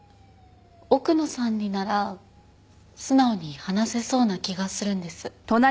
奥野さんになら素直に話せそうな気がするんです。